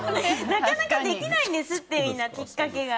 なかなかできないんですってみんな、きっかけが。